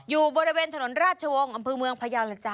อยู่บริเวณถนนราชวงศ์อำเภอเมืองพยาวล่ะจ๊